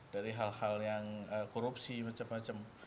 dari hal hal yang korupsi macem macem